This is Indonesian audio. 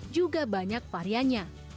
juga banyak variannya